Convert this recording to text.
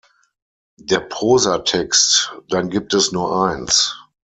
Der Prosatext "Dann gibt es nur eins!